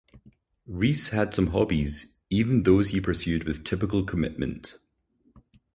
Reese had some hobbies; even those he pursued with typical commitment.